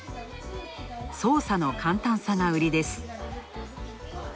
操作の簡単さが売りです。